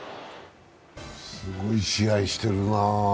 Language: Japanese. すごい試合してるな。